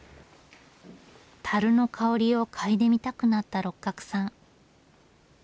樽の香りを嗅いでみたくなった六角さん。